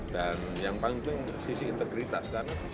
dan yang paling penting sisi integritas